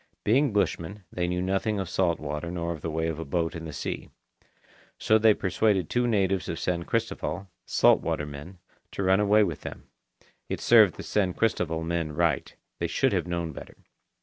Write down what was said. Being bushmen, they knew nothing of salt water nor of the way of a boat in the sea. So they persuaded two natives of San Cristoval, salt water men, to run away with them. It served the San Cristoval men right. They should have known better.